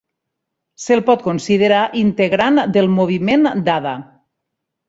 Se'l pot considerar integrant del moviment dada.